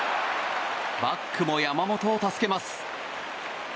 バックも山本を助けます。